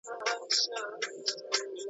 ملنګه ! د دریاب دوه غاړې چېرې دي یو شوي .